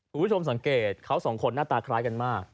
คุณผู้ชมสังเกตเขาสองคนหน้าตาคล้ายกันมาก